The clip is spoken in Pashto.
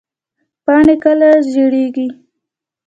پاڼې کله ژیړیږي؟